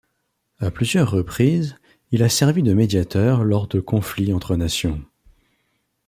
À plusieurs reprises, il a servi de médiateurs lors de conflits entre nations.